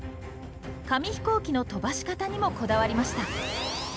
紙飛行機の飛ばし方にもこだわりました。